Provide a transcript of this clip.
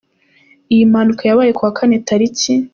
Iyi mpanuka yabaye kuwa kane tariki.